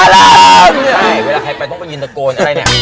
เวลาใครไปต้องยินตะโกน